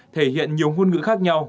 thể hiện nhiều ngôn ngữ khác nhau